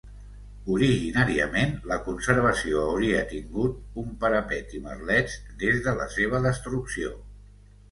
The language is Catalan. Originàriament la conservació hauria tingut un parapet i merlets, des de la seva destrucció.